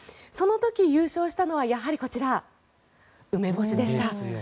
その時優勝したのはやはり梅干しでした。